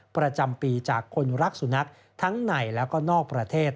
ประจำปีจากคนรักสุนัขทั้งในและก็นอกประเทศ